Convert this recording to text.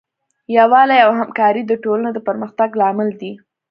یووالی او همکاري د ټولنې د پرمختګ لامل دی.